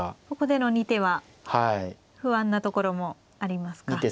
ここでの２手は不安なところもありますか。